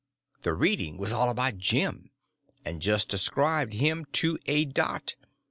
The reading was all about Jim, and just described him to a dot.